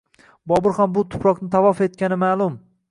Bobur ham bu tuproqni tavof etgani ma’lum.